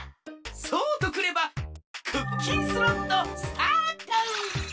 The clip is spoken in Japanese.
そうとくればクッキンスロットスタート！